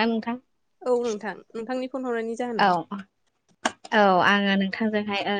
ना नोंथां? औ नोंथां नोंथांनि फन हरनायनि औ जाहोना? औ आङो नोंथांजोंहाय ओ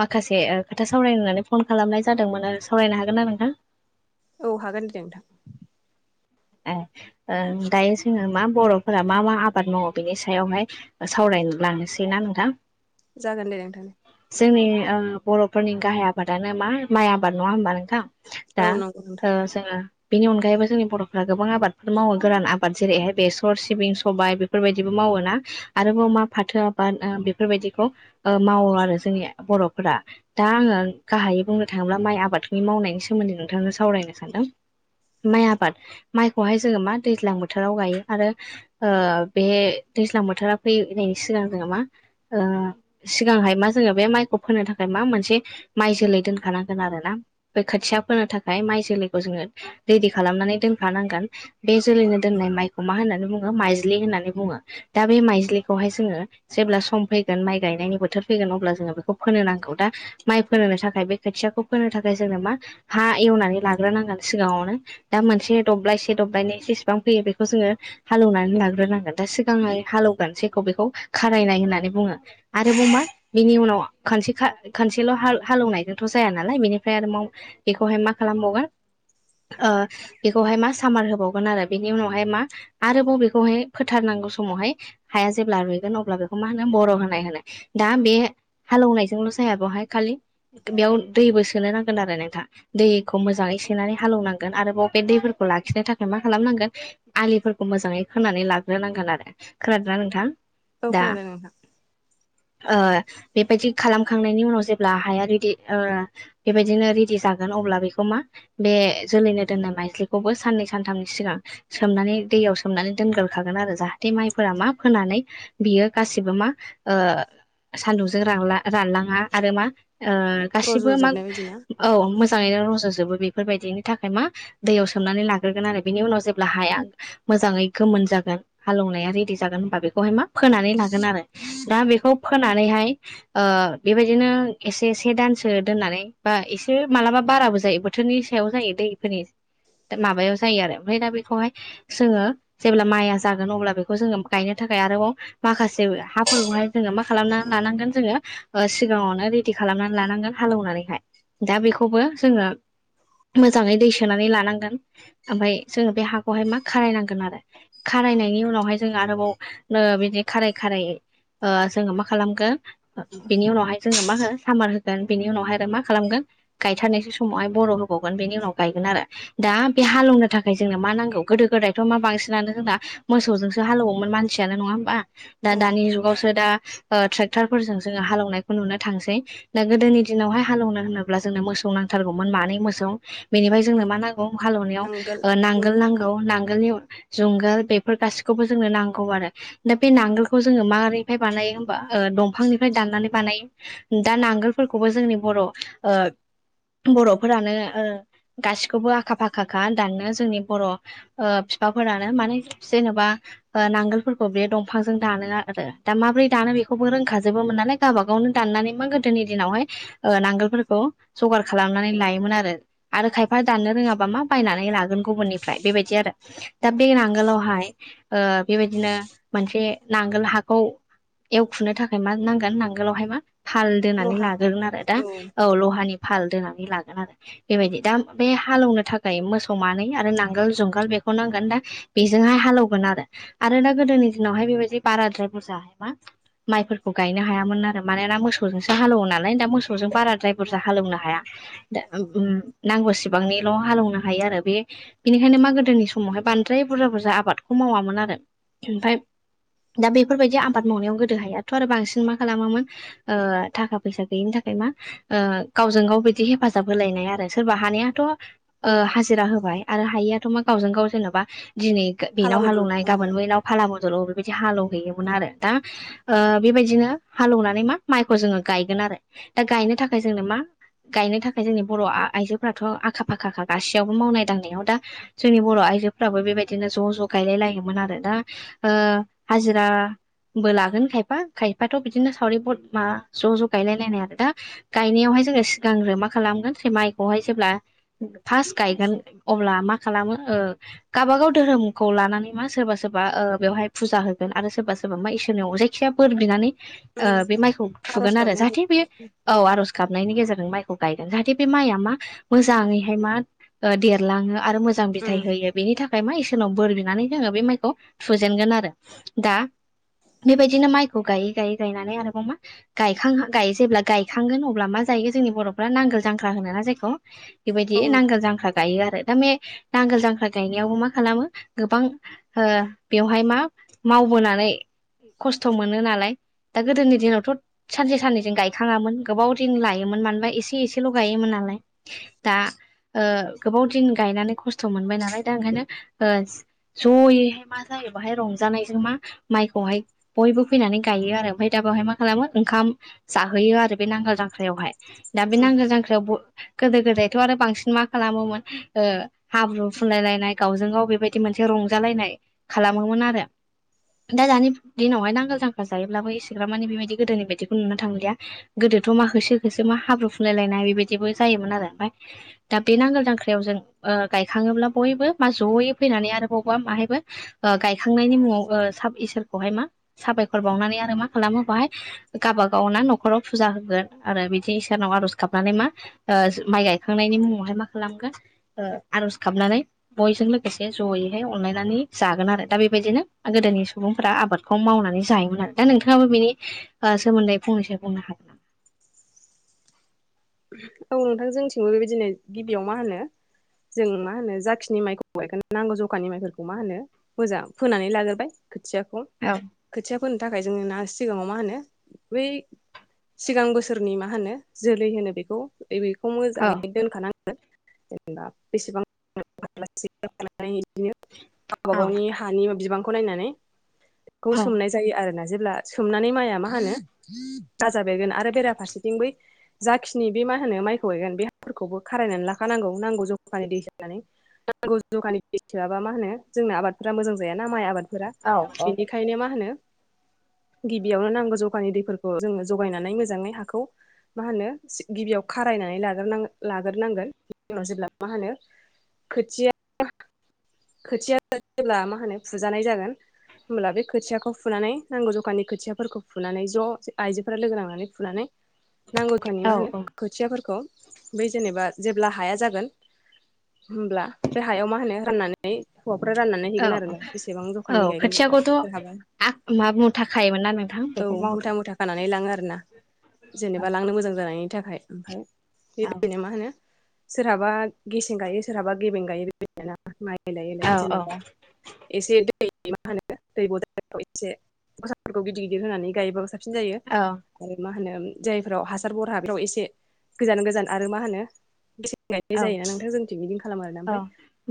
माखासे ओ खोथा सावरायनानै फन खालामनाय जादोंमोन आरो सावरायनो हा नंगौ ना नोंथां? औ हागोन दे दे नोंथां। ए ओ दायो जोङो मा बर'फोरा मा मा आबाद मावो बेनि सायावहाय सावराय लांनोसै ना नोंथां? जागोन दे नोंथां। जोंनि ओ बर'फोरनि गाहाय आबादानो मा माइ आबाद नङा होमबा नोंथां? दा औ नंगौ नोंथां ओ जोंङो बेनि अनगायैबो जोंनि बर'फोरारा गोबां आबादफोर मावो गोरान आबाद जेरैहाय बेसर सिबिं सबबाय बेफोरबायदिबो मावो। मावो ना आरोबाव मा फाथो आबाद बेफोरबायदिखौ मावो आरो। जोंनि बर'फोरा दा आङो गाहायै बुंनो थाङोब्ला माइ आबादखौनि मावनायनि सोमोन्दै नोंथांनो सावराय फोरमायनो सानदों। माइ आबाद माइ खौहाय जोङो मा दैज्लां बोथोराव गायो आरो ओ बे दैज्लां बोथोरा फैनायनि सिगां जोङो मा सिगांहाय मा जोङो बे माइखौ फोनो थाखाय मा मोनसे माइ जोलै दोनखानांगोन आरोना बे खोथिया फोनो थाखाय म जोलखौ जोङो रेडि खालामनानै दोनखानांगोन बे जोलैनो दोननाय माइखौ मा होननानै बुङो माइ माइज्लि होननानै बुङो दा बे माइज्लि खौहाय जोङो जेब्ला सम फैगोन माइ गायनायनि बोथोर फैगोन अब्ला जोङो बेखौ फोनो नांगौ दा माइ फोनो थाखाय बे खोथियाखौ फोनो थाखाय जोंनो मा हा एवनानै हाखौ लाग्रोनांगोन सिगाङावनो दा मोनसे दब्लायसे दब्लायनि जेसेबां फैयो बेखौ जोङो हालेवनानै लाग्रोनांगोन दा सिगांहाय हालेवगोन जखौ बेखौ खारायनाय होननानै बुङो आरोबाव मा बिनि उनाव खनसे खनसेल' हालौवनायजोंथ' जाया नालाय बेनिफ्राय आरो माव बेखौहाय मा खालाम मगोन ओ बेखौहाय मा सामार होबावगोन आरो बेनि उनावहाय मा आरोबाव बेखौहाय फोथारनां नांगौ समावहाय हाया जेब्ला रुइगोन अब्ला बेखौ मा होनो बर' होनाय होनो दा बे हालेनायजोंल' जाया बेहाय खालि बेयाव दैबो सोनो नांगोन आरो नोंथाङा दैखौ मोजाङै सोनानै हालवनांगोन आरोबाव बे दैफोरखौ लाखिनो थाखाय मा खालामनांगोन आलिफोरखौ मोजाङै खो नानै लाग्रोनांगोन आरो खोनादों ना नोंथां? औ दा खोनादों नोंथां। ओ बेबायदि खालामखांनायनि उनाव जेब्ला हाया रेडि बेबायदिनो रेडि जागोन अब्ला बेखौ बे जोलैनो दोननाय माइजलिखौबो साननै सानथामनि सिगां सोमनानै दैयाव सोमनानै दोन फोग्रो खागोन आरो जाहाथे माइफोरा मा फोनानै बियो गासिबो मा ओ सान्दुंजों रला रानलाङा आरो मा ओ गासिबो मा रज'जोबनाय बायदि ना औ मोजाङैनो रज'जोबो बेफोरबायदिनि थाखाय मा दैयाव सोमनानै लाग्रोगोन आरो बेनि उनाव जेब्ला हाया मोजाङै गोमोन जा हालौनाया रेदि जागोन होनबा बेखौ हाय मा फोनानै लागोन आरो दा बेखौ फोनानैहाय ओ बेबायदिनो एसे से दानसो दोननानै बा एसे मालाबा बाराबो जायो बोथोरनि सायाव जायो दैफोरनि दा माबायाव जायो आरो ओमफ्राय दा बेखौहाय जोङो जेब्ला माइया जागोन अब्ला बेखौ जोङो गायनो थाखा आरोबाव माखासे हाफोरखौहाय जोङो माखा खालामना लानांगोन जोङो सिगाङावनो रेडि खालामनानै लानांगोन हालेवनानैहाय दा बेखौबो जोङो मोजाङै दै सोनानै लानांगोन ओमफ्राय जोङो बे हाखौहाय मा खारायनांगोन आरो खा रायनायनि उनाव जों आरोबाव बिदि खाराय खाराय जोङो मा खालामोन बिनि उनावहाय जोङो माहो सामार होगोन बिनि उनावहाय मा खालामगोन गाय साननैसो समावहाय बर' होबावगोन बेनि उनाव गायगोन आरो दा बे हालेवनो थाखाय जोंनो मा नांगौ गोदो- गोदाय मा बांसिनानो जोंना मोसौजोंसो हालेवोमोन मानसियानो नङा होमबा दा औ दानि जुगावसो दा ट्रेक्टारफोरजों जोङो हालवनायखौ नुनो थांसै दा गोदोनि दिनावहाय हालेवनो होनोब्ला जोङो मोसौ नांथारगौमोन मानै मोसौ बेनिफ्राय जोंनो मा नांगौ हालेवनायाव नांगोल नांगोल नांगौ नांगोलनि जुंगाल बेफोर गासिखौबो जोंनो नांगौ आरो दा बे नांगोलखौ जोङो माबोरैहाय बानायो होनबा दंफांनिफ्राय दाननानै बानायो दा नांगोलफोरखौबो जोंनि बर' ओ बर'फोरानो ओ गासिखौबो आखा-फाखा दानानो जोंनि बर' ओ बिफाफोरानो माने जेन'बा नांगोलफोरखौ बे दंफांजों दानो आरो। दा माब्रै दानो बेखौबो रोंखाजोबोमोन नालाय गावबा गावनो दाननानै मा गोदोनि दिनावहाय नांगोलफोरखौ जगार खालामनानै लायोमोन आरो आरो खायफा दाननो रोङाबा मा बायनानै लागोन गुबुननिफ्राय बेबाय दि आरो दा बे नांगोलावहाय बेबायदिनो मोनसे नांगोल हाखौ एवखुनो थाखाय मा नांगोन नांगोलावहाय मा भाल दोनानै लहा लाग्रोगोन आरो दा औ लहानि। भाल दोननानै लागोन आरो बेबायदि दा बे हालेवनो थाखाय मोसौ मानै आरो नांगोल जुंगाल बे नांगोन दा बेजोंहाय हालौवगोन आरो आरो दा गोदोनि दिनावहाय बेबायदि बाराद्राय बुरजा। मा माइफोरखौ गायनो हायामोन आरो मानोना मोसौजोंसो हालौवो नालाय दा मोसौजों बाराद्राय बुरजा हालेवनो हाया। नांगौसेबांनिल' हालौवनो हायो आरो बे बिनिखायनो मा गोदोनि समावहाय बानाय बांद्राय बुरजा-बुरजा आबादखौ मावामोन आरो ओमफ्राय दा बेफोरबायदि आ आबाद मावनायाव गोदो हायाथ' आरो बांसिन मा खालामोमोन ओ थाखा फैसा गैयिनि थाखाय मा ओ गावजों गाव बिदि हेफाजाब होलायनाय आरो सोरबा हानायाथ' ओ हाजिरा होबाय आरो हायियाथ' मा गावजों गाव जेनेबा दिनै फाला बेनाव बदल हालेवनाय गाबोन बैनाव फाला बदल बेबायदि हालेवहयोमोन आरो। दा बेबायदिनो हालेवनानै मा माइखौ जोङो गायगोन आरो दा गायनो थाखाय जोंनो मा गायनो थाखाय जोंनि बर' आइजोफोराथ' आखा फाखाखा गासैयावबो मावनाय दांनायाव दा जोंनि बर' आ आइजोफ्राबो बेबायदिनो ज' ज' गायलाय लायोमोन आरो दा ओ हाजिरा बो लागोन खायफा खायफाथ' बिदिनो सावरि मा ज' ज' गायलायलायनाय आरो दा गायनायाव जोङो सिगांग्रो मा खालाममोन माइखौहाय जेब्ला फास गायगोन अब्ला मा खालामो ओ गावाबागाव धोरोमखौ लानानै मा सोरबा सोरबा ओ बेवहाय फुजा होगोन आरो सोरबा सो सोरबा मा इसोरनि जायखिाया बोर बिनानै ओ बे माइखौ आर'ज थुगोन आरो गाबनाय जाहाथे बेयो औ आर'ज गाबनायनि गेजेरजों माइ गायगोन जाहाथे बे माया मा मोजाङैाय मा देरलाङो आरो मोजां बिथाइ होयो बेनि थाखा ओमफ्राय मा इसोरनाव बोर बिनानै जोङो बे माइखौ फुजेनगोन आरो दा बेबायदिनो माइखौ गायै गायै गायनानै आरोबाव मा गायखां हां गायो जेब्ला गायखांगोन अब्ला मा जायो जायो जों जोंनि बर'फ्रा नांगोल जांख्रा होनो ना जायखौ बेबायदि औ नोंथां नांगोल जांख्रा गायो आरो। दा बे नांगोल जांख्रा गायनायावबो मा खालामो गोबां ओ बेवहाय मा माव बोनानै खस्थ' मोनो नालाय दा गोदोनि दिनावथ' सानसे साननैजों गायखाङामोन गोबाव दिन लायोमोन मा मा एसे एसेल' गायोमोन नालाय दा ओ गोबाव दिन गायनानै खस्थ' मोनबाय नालाय दा ओंखायनो ओ जयैहाय मा जा बाहाय रंजानायजों मा माइखौहाय बयबो फैनानै गायो आरो ओमफ्राय दा बेवहाय मा खालामो ओंखाम जाहोयो आरो बे नांगाल जांख्रा जांख्रयावहाय दा बे नांगाल जांख्रायाव गोदो गोदायथ' आरो बांसिन मा खालामोमोन हाब्रु फुलाय लायनाय गावजों गाव बेबायदि मोनसे रंजालायनाय खालामोमोन आरो। दा दानि दिनावहाय नांगोल जांखाल जायोब्लाबो एसेग्राब मानि बेबायदि गोदोनि बायदिखौ नुनो थांलिया। गोदोथ' मा होसो होसो मा हाब्रु फुंलायलायनाय बेबायदिबो जायोमोन आरो ओमफ्राय दा बे नांगोल दांख्रायाव जों ओ गायखाङोब्ला बयबो मा जयै फैनानै आरो बबावबा माहायबो गायखांनायनि मुङाव सा इसोरखौहाय मा साबायखर बावनानै आरो मा खालामो बेवहाय गावबागाव ना न'खराव फुजा होगोन आरो बिदि इसोरनाव आर'ज गाबनानै मा ओ माइ गायखांनायनि मुङावहाय मा खालामगोन ओ आर'ज गाबनानै बयजों लोगोसे जयैहाय अनलायनानै जागोन आरो दा बेबायदिनो गोदोनि सम सुबुंफोरा आबादखौ मावनानै जायोमोन आरो दा नोंथाङाबो बेनि सोमोन्दै ओ फंनैसो बुंनो हागोन। [unintelligible] [inaudible] औ नोंथां जोंथिंबो बेबायदिनो गिबियाव मा होनो जों मा होनो जाखिनि माइखौ गायगोन नांगौ जखानि माइफोरखौ मा होनो मोजां फोनानै लाग्रोबाय खोथियाखौ नामा? खोथिया फोनो थाखाय जोङो ना सिगाङाव मा होनो बै सिगां बोसोरनि मा होनो जोलै होनो बेखौ बेखौ औ मोजाङै दोनखानांगोन जेनेबा बेसेबां [unintelligible] ओमफ्राय इदिनो गावबा गावनि हानि बिबांखौ नायनानै बेखौ औ सोमनाय जायो आरो ना। जेब्ला सोमनानै माइया मा होनो गाजा बेरगोन आरो बेराफारसेथिं बै जा खि नि बे मा होनो माइखौ गायगोन बे हाफोरखौबो खारायनानै लाखानांगौ नांगौ जखानि दै होनानै। नांगौ जखानि दै सोआबा मा होनो जोंना आबादफोरा मोजां जाया ना माइ आबाद फोरा औ औ बेनिखायनो मा होनो गिबियावनो नांगौ जखानि दैफोरखौ जोङो जगायनानै मोजाङै हाखौ मा होनो सि गिबियाव खारायनानै लाग्रो नांगोन लाग्रोनांगोन उनाव जेब्ला मा होनो खोथिया-खोथिया जेब्ला मा होनो फुजानाय जागोन होमब्ला बे खोथियाखौ फुनानै नांगौ जखानि खोथियाफोरखौ फुनानै ज' आइजोफोरा लोगो नांनानै फुनानै दखाननि औ मा होनो औ खोथियाफोरखौ बै जेनेबा जेब्ला हाया जागोन होमब्ला बे हायाव मा होनो राननानै। हौवाफ्रा राननानै औ हैगोन आरो ना बेसेबां जखाननि गायगोन जेनेबा खोथियाखौथ' सोरहाबा आ मा मुथा खायोमोन ना नोंथां औ बेखौ मावदों मुथा मुथा खानानै लांङो आरो ना औ जेनेबा लांनो मोजां जानायनि थाखाय ओमफ्राय औ बेबायदिनो मा होनो सोरहाबा गेसें गायो सोरहाबा गेबें गायो बेबायदिनो माइ एलाय औ एलाय जेनेबा एसे दै मा होनो दै बाराव एसे गसाफोरखौ गिदिर गिदिर होनानै गायोबा सा बसिन जायो आरो मा मा होन जायफोराव हासार बरहा बेफ्राव एसे गोजान गोजान आरो मा होनो गायनाय औ जायोना नोंथां जोंथिं बिदिनो खालामो आरोना औ ओमफ्राय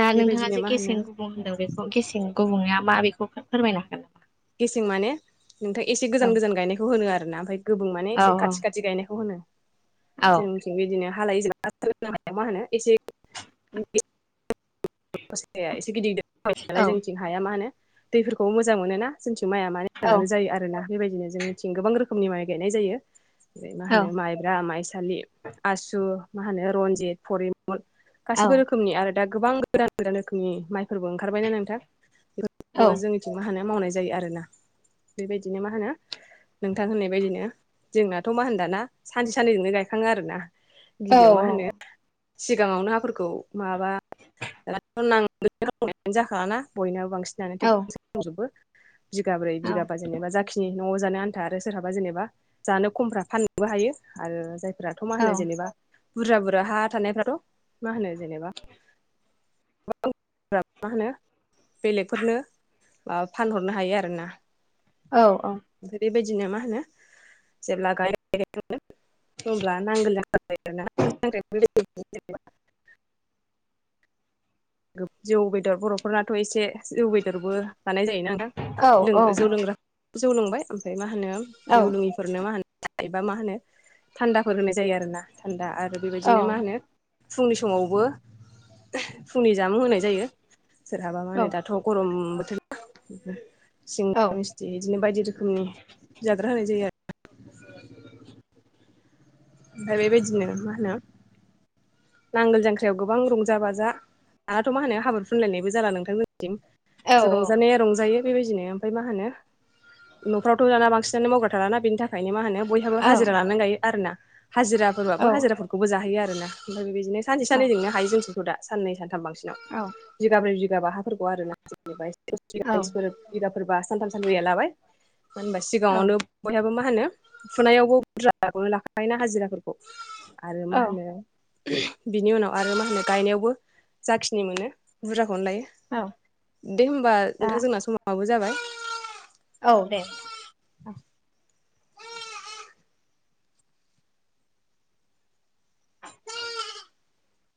दा नोंथांङा बेबायदिनो जे मा होनो गेसें गुबुं होनदों बेखौ गेसें गुबुंङै आ मा बेखौ फोरमायनो हागोन नामा। गेसें माने नोंथां एसे औ गोजान-गोजान गायनायखौ होनो आरोना ओमफ्राय गोबुं माने औ एसे खाथि खाथि गायनायखौ होनो औ जों मिथि बेबादिनो। हालायो जोब स हाया मा होनो एसे [unintelligible] गसाया एसे गिदिर गिदिर। नालाय औ जोंथिं हाया मा होनो दैफोरखौ मोजां मोनोना जोंथिं माइया मानो औ मोजांङानो जायो आरोना। बेबायदिनो जों मिथिं गोबां रोखोमनि माइ गायनाय जायो। मा औ होनो माइब्रा माइसालि आसु मा होनो रनजित फरि मल औ गासिबो रोखोमनि आरो दा गोबां गोदान गोदान रोखोमनि माइ फोरबो ओंखारबायना नोंथां औ बेबो जोंनिथिं हानाय मावनाय जा जायो आरोना बेबायदिनो मा होनो नोंथां होननाय बयदिनो जोंनाथ' मा होनदाना सानसे साननैजोंनो गायखांङो आरोना औ गिबियाव मा औ होनो सिगांङावनो हाफोरखौ माबा। दाथ' नांगोलजों हालेवनाया जाखालाना बयनाबो बांसिनानो ट्रेक्टरजोंसो हालेवजोबो बिगाब्रै बिगाबा जेनेबा जाखिनि न'आव जानो आन्था आरो सोरहाबा जेनेबा जानो खमफोरा फाननोबो हायो आरो जाय दाथ' मा होनो जेनेबा बुरजा बुरजा हा थानायफ्राथ' मा होनो जेनेबा मा होनो बेलेगफोरनो ओ फानहरनो हायो आरो ना। औ औ बिदिनो मा होनो जेब्ला गाय [unintelligible] होनब्ला नांगोलजों खारबाय आरोना ज [unintelligible] [inaudible] जौ बेदर बर'फोरनाथ' एसे जौ बेदरबो जानाय जायोना नोंथां जौ लोंग्रा जौ लोंबाय ओमफ्राय मा मा होनो जौलोंङैफोरनो मा होनो एबा मा होनो थान्दाफोर होनाय जायो आरोना थान्दा आरो आरो बेबायदिनो मा होनो फुंनि समावबो फुंनि जामुं होनाय जायो सोरहाबा मा होनो दाथ' गरम बोथोरना सिंग्रा मिस्थि बिदिनो बायदि रोखोमनि जाग्रा होनाय जायो आरो ना दा बेबायदिनो मा होनो नांगोल जांख्रायाव गोबां रंजा बाजा दानाथ' मा होनो हाब्रु फुनलायनायबो जाला नोंथां बिदिनो रंजानाया रंजायो बेबायदिनो ओमफाय मा होनो न'फ्रावथ' दाना बांसिनानो मावग्रा थालाना बिनि थाखायनो मा होनो बयहाबो हाजिरा लानानै गायो आर ना हाजिराफोरबाबो हाजिराफोरखौबो जाहोयो आरो ना। बिदिनो सानसे साननजोंनो हायो जोंथिंखौ दा साननै सानथाम बांसिनाव बिघाब्रै बिगाबा हा फोरखौ आरोना जेनेबा [unintelligible] इसफोरो बिराफोरबा सानथाम सानब्रैया लाबाय होनबा सिगांङावनो बयहाबो मा होनो फुनायावबो बुरजाखौनो लाखाय ना हाजिराफोरखौ आरो मा होनो बिनि उनाव आरो मा होनो गायनायावबो जाखिनि मोनो बुरजाखौ औ औ [unintelligible] दे होमबा दा नोंथां जोंना समाबो जाबाय औ दे।